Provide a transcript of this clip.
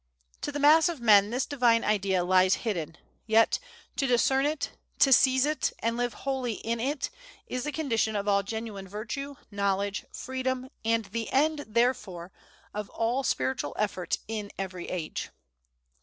To the mass of men this Divine Idea lies hidden; yet, to discern it, to seize it, and live wholly in it, is the condition of all genuine virtue, knowledge, freedom, and the end, therefore, of all spiritual effort in every age."